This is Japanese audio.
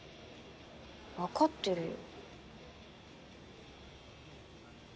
分かってるよ。